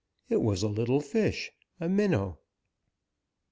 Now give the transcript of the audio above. It was a little fish, a minnow.